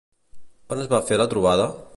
On es va fer la trobada?